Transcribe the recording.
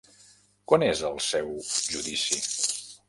Quan és el seu judici?